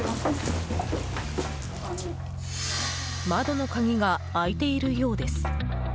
窓の鍵が開いているようです。